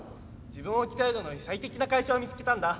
自分を鍛えるのに最適な会社を見つけたんだ！